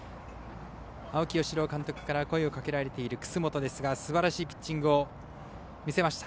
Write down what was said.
青木尚龍監督から声をかけられている楠本ですがすばらしいピッチングを見せました。